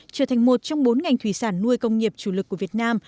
trở thành một trong bốn ngành thủy sản nuôi công nghiệp chủ lực của việt nam